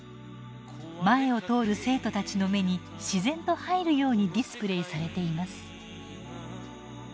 前を通る生徒たちの目に自然と入るようにディスプレーされています。